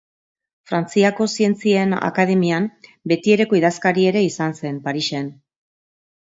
Frantziako Zientzien Akademian betiereko idazkari ere izan zen, Parisen.